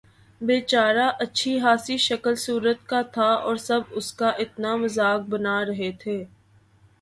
بے چارہ اچھی خاصی شکل صورت کا تھا اور سب اس کا اتنا مذاق بنا رہے تھے